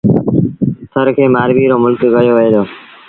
ٿر کي مآرويٚ رو ملڪ ڪهيو وهي دو۔